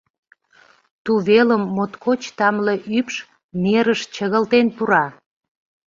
Тувелым моткоч тамле ӱпш нерыш чыгылтен пура.